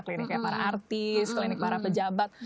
klinik yang para artis klinik para pejabat